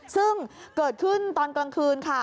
ซึ่งเกิดขึ้นตอนกลางคืนค่ะ